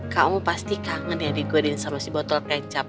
kamu pasti kangen ya digoreng sama si botol kecap